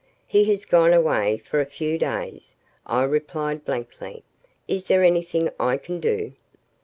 "He has gone away for a few days," I replied blankly. "Is there anything I can do?"